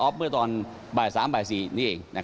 รวมถึงเมื่อวานี้ที่บิ๊กโจ๊กพาไปคุยกับแอมท์ท่านสถานหญิงกลาง